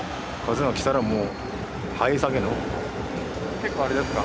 結構あれですか？